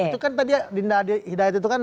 itu kan tadi dinda hidayat itu kan